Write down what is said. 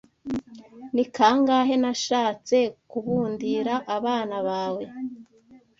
ni kangahe nashaatsee kubundira abana bawe